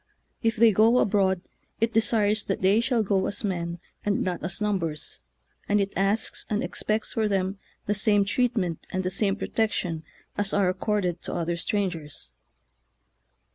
If they go abroad, it desires that they shall go as men, and not as numbers, and it asks and expects for them the same treat ment and the same protection as are ac corded to other strangers.